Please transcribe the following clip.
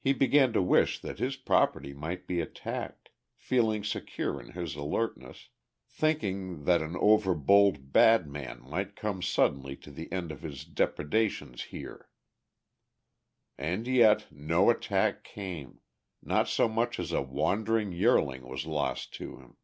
He began to wish that his property might be attacked, feeling secure in his alertness, thinking that an over bold "badman" might come suddenly to the end of his depredations here. And yet no attack came, not so much as a wandering yearling was lost to him.